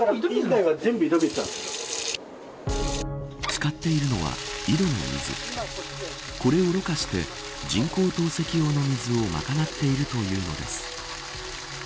使っているのは井戸の水これをろ過して人工透析用の水をまかなっているというのです。